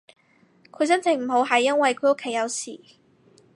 佢心情唔好係因為佢屋企有事